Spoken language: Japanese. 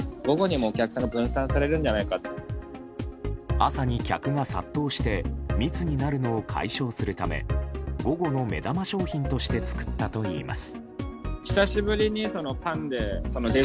朝に客が殺到して密になるのを解消するため午後の目玉商品として作ったといいます。